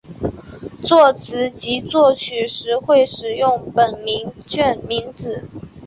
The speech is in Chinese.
作词及作曲时会使用本名巽明子。